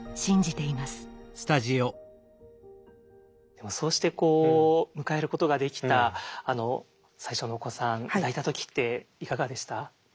でもそうしてこう迎えることができた最初のお子さん抱いた時っていかがでした？